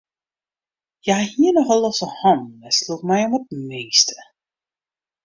Hja hie nochal losse hannen en sloech my om it minste.